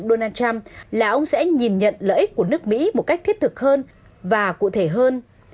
donald trump là ông sẽ nhìn nhận lợi ích của nước mỹ một cách thiết thực hơn và cụ thể hơn